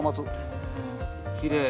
きれい。